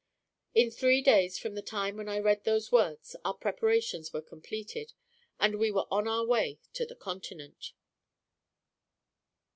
In three days from the time when I read those words our preparations were completed, and we were on our way to the Continent.